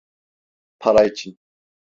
Para için.